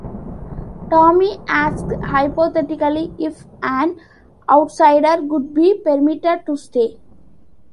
Tommy asks hypothetically if an outsider could be permitted to stay.